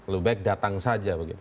lebih baik datang saja begitu